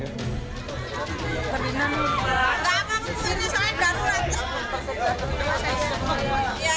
dokter hati hati sendalnya